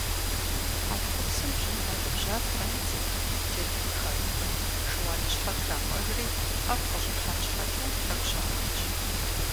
Хьэнтхъупсым бжьын гъэлыбжьа традзэ, джэдгын хаудэ, шыуаныщхьэр трапӀэжри ӀэфӀ къыщӀыхьэн щхьэкӀэ тӏэкӏу щагъэтщ.